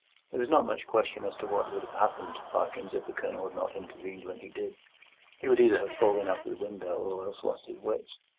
There is not much question as to what would have happened to Parkins if the Colonel had not intervened when he did. He would either have fallen out of the window or else lost his wits.